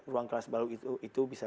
lima ratus ruang kelas baru itu bisa